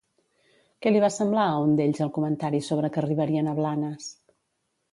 Què li va semblar a un d'ells el comentari sobre que arribarien a Blanes?